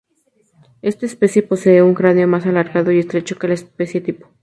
Esta especie posee un cráneo más alargado y estrecho que la especie tipo.